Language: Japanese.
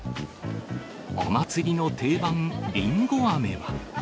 お祭りの定番、リンゴあめは。